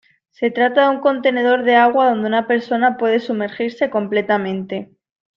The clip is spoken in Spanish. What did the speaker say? Se trata de un contenedor de agua donde una persona pueda sumergirse completamente.